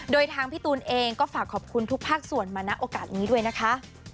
โดยทางพี่ตูนเองก็ฝากขอบคุณทุกภาคส่วนมาณโอกาสนี้ด้วยนะคะ